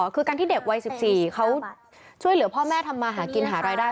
คือการที่เด็กวัย๑๔เขาช่วยเหลือพ่อแม่ทำมาหากินหารายได้